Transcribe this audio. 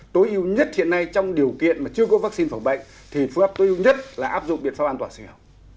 tối ưu nhất hiện nay trong điều kiện mà chưa có vaccine phòng bệnh thì phương pháp tối ưu nhất là áp dụng biện pháp an toàn sinh học